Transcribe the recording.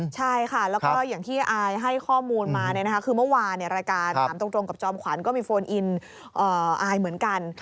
ใช่ค่ะแล้วก็อย่างที่อายให้ข้อมูลมาคือเมื่อวานรายการถามตรงกับจอมขวัญก็มีโฟนอินอายเหมือนกัน